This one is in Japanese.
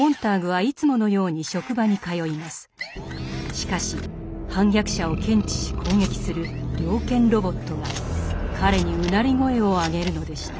しかし反逆者を検知し攻撃する猟犬ロボットが彼にうなり声を上げるのでした。